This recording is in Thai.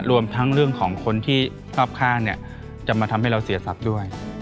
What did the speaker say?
รวมทั้งเรื่องของคนที่รอบข้างเนี่ยจะมาทำให้เราเสียทรัพย์ด้วย